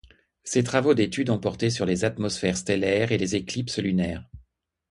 Ses travaux d'étude ont porté sur les atmosphères stellaires et les éclipses lunaires.